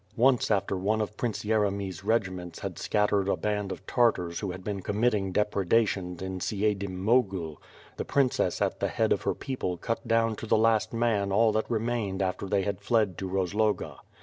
Once after one of Prince Yeremy's regiments had scattered a band of Tartars who had been committing depredations in Siedm Mogil, the princess at the head of her people cut down to the last man all that remained after they had fled to Roz loga.